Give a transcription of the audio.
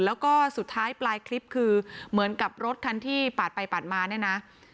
แล้วก็สุดท้ายปลายคลิปคือเหมือนกับรถคันที่ปาดไปปาดมาเนี่ยนะ